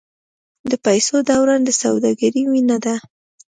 د پیسو دوران د سوداګرۍ وینه ده.